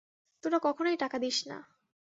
তোরা কখনোই টাকা দিস না।